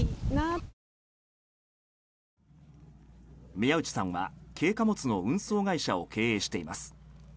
宮内さんは軽貨物の運送会社を経営しています。